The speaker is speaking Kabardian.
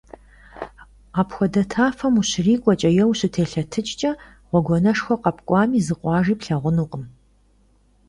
Апхуэдэ тафэм ущрикӀуэкӀэ е ущытелъэтыкӀкӀэ, гъуэгуанэшхуэ къэпкӀуами, зы къуажи плъагъункъым.